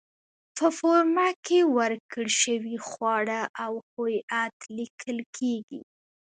په فورمه کې ورکړل شوي خواړه او هویت لیکل کېږي.